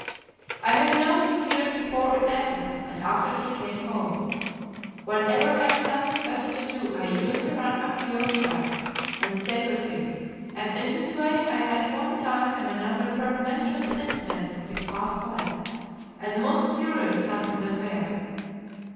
I had known him years before in Africa, and after he came home, whenever I had nothing better to do, I used to run up to Yorkshire and stay with him, and in this way I at one time and another heard many of the incidents of his past life, and most curious some of them were.